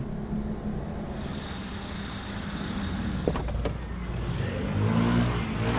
ketika kami menuju ke daerah sumedang kami menemukan jalan tol yang berbeda